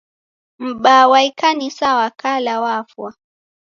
M'baa wa ikanisa wa kala wafwa.